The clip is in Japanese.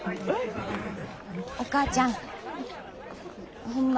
お母ちゃんホンマ